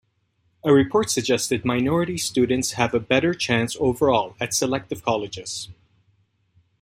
A report suggested minority students have a better chance overall at selective colleges.